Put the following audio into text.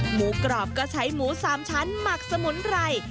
หมูกรอบก็ใช้หมู๓ชั้นหมักสมุนไพร